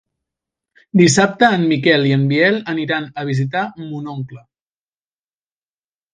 Dissabte en Miquel i en Biel aniran a visitar mon oncle.